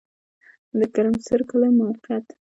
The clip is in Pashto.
د ګرمسر کلی موقعیت